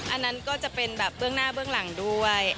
อันนั้นก็จะเป็นแบบเบื้องหน้าเบื้องหลังด้วย